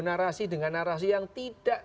narasi dengan narasi yang tidak